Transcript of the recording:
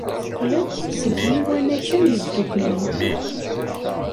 Teqqel-d seg Yiwanaken Yeddukklen.